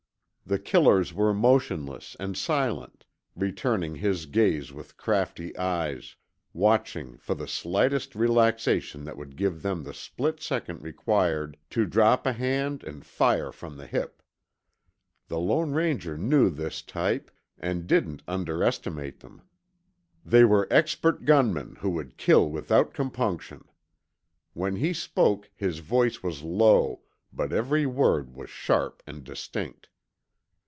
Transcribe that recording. The killers were motionless and silent, returning his gaze with crafty eyes, watching for the slightest relaxation that would give them the split second required to drop a hand and fire from the hip. The Lone Ranger knew this type, and didn't underestimate them. They were expert gunmen who would kill without compunction. When he spoke, his voice was low, but every word was sharp and distinct.